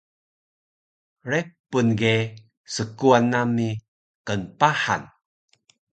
Repun ge skuwan nami knpahan